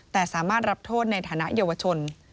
แต่สามารถรับโทษในฐานะเยาวชน